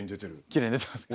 きれいに出てますか？